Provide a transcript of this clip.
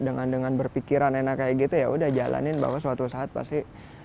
dengan dengan berpikiran enak kayak gitu yaudah jalanin bahwa suatu saat pasti